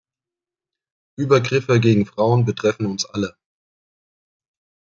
Übergriffe gegen Frauen betreffen uns alle.